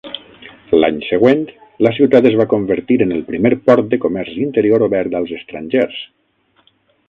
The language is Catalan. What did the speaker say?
L'any següent, la ciutat es va convertir en el primer port de comerç interior obert als estrangers.